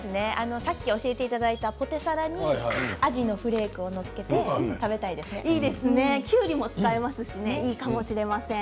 さっき教えていただいたポテサラにアジのフレークをきゅうりも使えますしいいかもしれません。